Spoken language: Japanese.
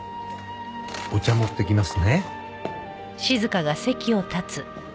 お茶持ってきますね。